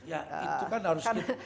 ya itu kan harus itu